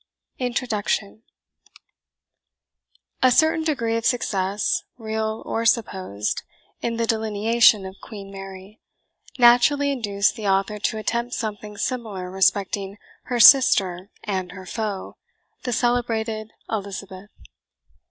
INTRODUCTION A certain degree of success, real or supposed, in the delineation of Queen Mary, naturally induced the author to attempt something similar respecting "her sister and her foe," the celebrated Elizabeth.